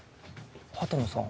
畑野さん